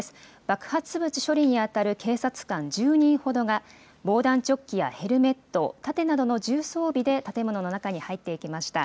爆発物処理に当たる警察官１０人ほどが、防弾チョッキやヘルメット、盾などの重装備で、建物の中に入っていきました。